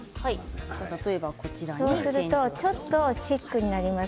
そうすると、ちょっとシックになります。